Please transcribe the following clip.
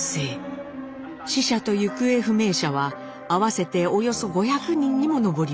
死者と行方不明者は合わせておよそ５００人にも上りました。